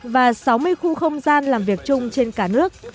và sáu mươi khu không gian làm việc chung trên cả nước